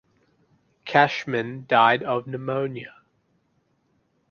Cashman died of pneumonia.